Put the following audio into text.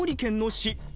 市。